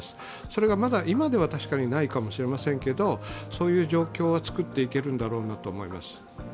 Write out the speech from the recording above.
それが、まだ今では確かにないかもしれませんけれども、そういう状況は作っていけるんだろうなとは思います。